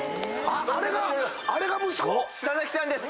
あれがあれが息子⁉佐々木さんです。